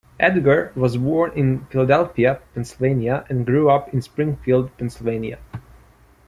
Edgar was born in Philadelphia, Pennsylvania, and grew up in Springfield, Pennsylvania.